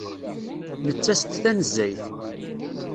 Nettas-d tanezzayt.